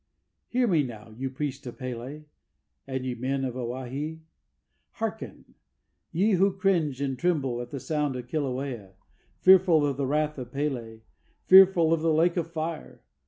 "Hear me now, you priest of P├®l├®, and ye men of Owhyhee! Hearken! ye who cringe and tremble, at the sound of Kilauea, Fearful of the wrath of P├®l├®, fearful of the lake of fire!